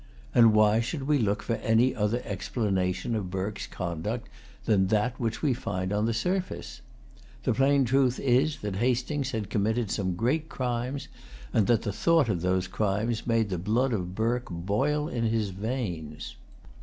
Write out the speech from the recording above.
And why should we look for any other explanation of Burke's conduct than that which we find on the surface? The plain truth is that Hastings had committed some great crimes, and that the thought of those crimes made the blood of Burke boil in his veins.